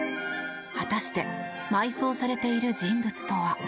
果たして埋葬されている人物とは。